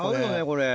これ。